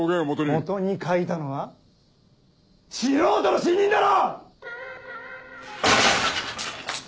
基に描いたのは素人の新任だろ‼